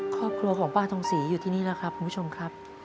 ครอบครัวของป้าทองศรีอยู่ที่นี่แล้วครับคุณผู้ชมครับ